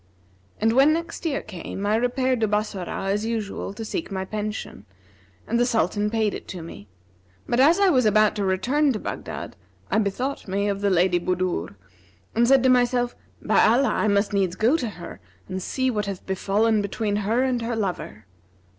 And when next year came, I repaired to Bassorah, as usual, to seek my pension, and the Sultan paid it to me; but, as I was about to return to Baghdad, I bethought me of the Lady Budur and said to myself, 'By Allah, I must needs go to her and see what hath befallen between her and her lover!'